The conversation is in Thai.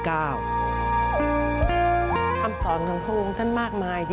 คำสอนของพวกคุณท่านมากมาย